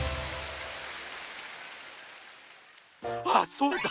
あっそうだ！